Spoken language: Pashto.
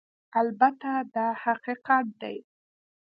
البته دا حقیقت دی